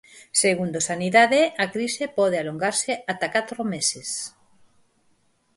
Segundo sanidade a crise pode alongarse ata catro meses.